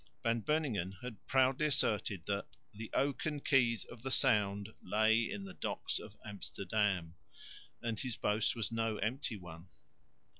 Van Beuningen had proudly asserted that "the oaken keys of the Sound lay in the docks of Amsterdam," and his boast was no empty one.